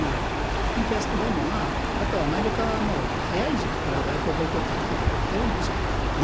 でも、あとはアメリカはもう、早い時期から外交ボイコットっていうことを言ってるんですよね。